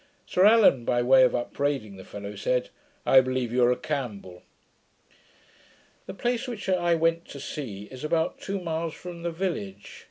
Sir Allan, by way of upbraiding the fellow, said, 'I believe you are a CAMPBELL.' The place which I went to see is about two miles from the village.